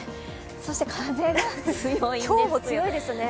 そして風が強いですね。